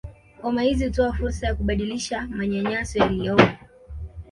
Ngoma hizi hutoa fursa ya kubadilisha manyanyaso yaliyopo